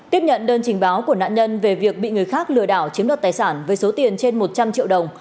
tiếp nhận đơn trình báo của nạn nhân về việc bị người khác lừa đảo chiếm đoạt tài sản với số tiền trên một trăm linh triệu đồng